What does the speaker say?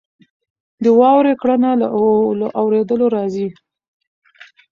د واورې کړنه له اورېدلو راځي.